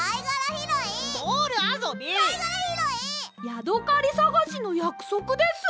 ヤドカリさがしのやくそくです！